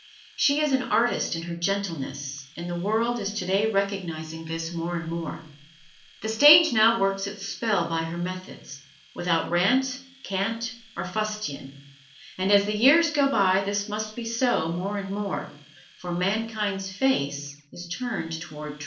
She is an artist in her gentleness, and the world is today recognizing this more and more. The stage now works its spells by her methods without rant, cant or fustian and as the years go by this must be so more and more, for mankind's face is turned toward truth.